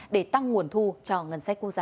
để tăng nguồn thu cho ngân sách quốc gia